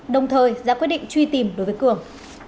đồng thời ra quyết định truy tìm đối với cường